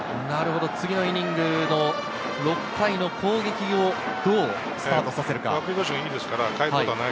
次のイニングの６回の攻撃をどうスタートさせるか。